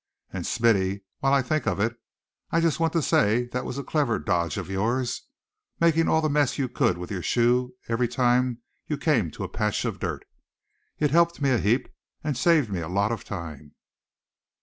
And Smithy, while I think of it I just want to say that was a clever dodge of yours, making all the mess you could with your shoe every time you came to a patch of dirt. It helped me a heap, and saved me a lot of time."